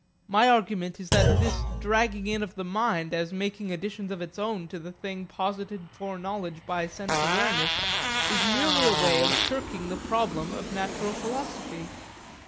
My argument is that this dragging in of the mind as making additions of its own to the thing posited for knowledge by sense awareness is merely a way of shirking the problem of natural philosophy.